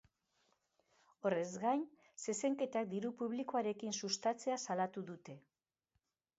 Horrez gain, zezenketak diru publikoarekin sustatzea salatu dute.